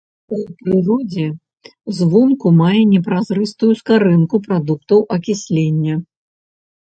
У прыродзе звонку мае непразрыстую скарынку прадуктаў акіслення.